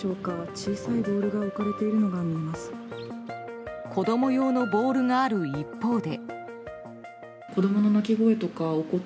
小さいボールが置かれているのが子供用のボールがある一方で。